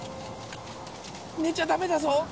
寝ちゃダメだぞ。